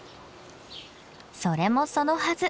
それもそのはず